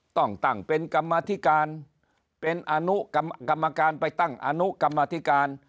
ต้องตั้งเป็นกรรมธิการเป็นอนุกรรมการไปตั้งอนุกรรมธิการ